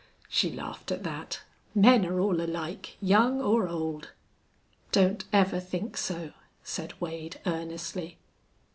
She laughed at that. "Men are all alike, young or old." "Don't ever think so," said Wade, earnestly.